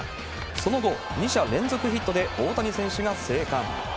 その後、２者連続ヒットで大谷選手が生還。